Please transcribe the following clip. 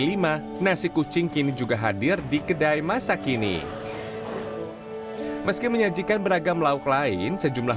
lima nasi kucing kini juga hadir di kedai masa kini meski menyajikan beragam lauk lain sejumlah